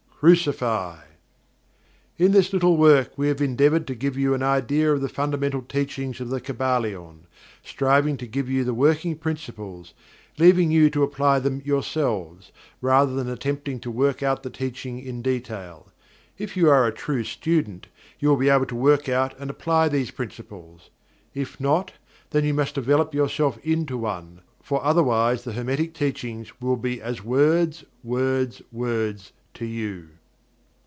Crucify." In this little work we have endeavored to give you an idea of the fundamental teachings of The Kybalion, striving to give you the working Principles, leaving you to apply therm yourselves, rather than attempting to work out the teaching in detail. If you are a true student, you will be able to work out and apply these Principles if not, then you must develop yourself into one, for otherwise the Hermetic Teachings will be as "words, words, words" to you.